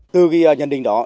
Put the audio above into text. từ khi nhận định đó